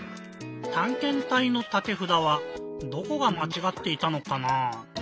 たんけんたいのたてふだはどこがまちがっていたのかなぁ？